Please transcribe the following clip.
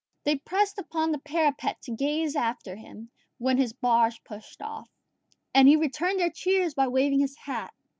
They pressed upon the parapet to gaze after him when his barge pushed off, and he returned their cheers by waving his hat.